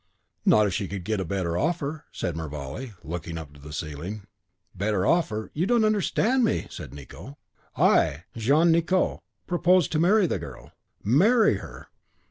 "Not if she could get a better offer," said Mervale, looking up to the ceiling. "A better offer? You don't understand me," said Nicot. "I, Jean Nicot, propose to marry the girl; marry her!